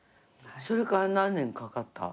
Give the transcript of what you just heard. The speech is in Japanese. それから何年かかった？